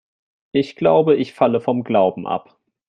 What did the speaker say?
Ich glaube, ich falle vom Glauben ab.